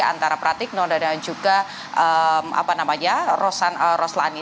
antara pratikno dan juga roslani